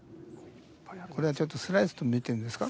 これはちょっとスライスと見てんですか？